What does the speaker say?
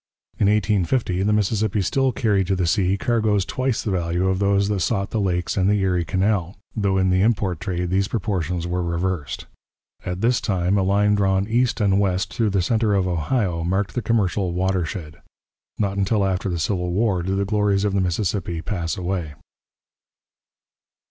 In 1850 the Mississippi still carried to the sea cargoes twice the value of those that sought the Lakes and the Erie Canal, though in the import trade these proportions were reversed. At this time a line drawn east and west through the centre of Ohio marked the commercial watershed. Not until after the Civil War did the glories of the Mississippi pass away.